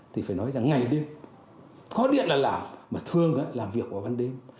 thì phải nói rằng ngày đêm có điện là làm mà thường làm việc vào ban đêm